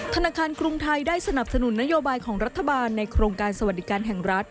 ธนาคารกรุงไทยได้สนับสนุนนโยบายของรัฐบาลในโครงการสวัสดิการแห่งรัฐ